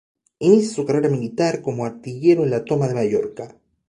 Inicia su carrera militar como artillero en la toma de Mallorca.